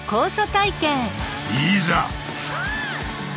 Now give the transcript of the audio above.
いざ！